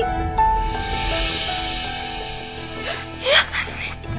iya kan rick